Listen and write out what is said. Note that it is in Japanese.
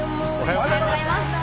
おはようございます。